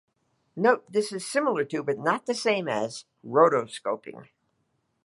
Note this is similar to, but not the same as, rotoscoping.